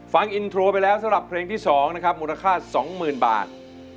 ฟังอินโทรไปแล้วสำหรับเพลงที่๒นะครับมูลค่า๒๐๐๐บาท